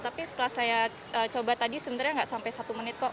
tapi setelah saya coba tadi sebenarnya nggak sampai satu menit kok